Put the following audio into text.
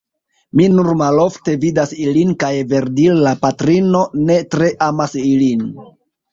Mi nur malofte vidas ilin; kaj, verdire, la patrino ne tre amas ilin.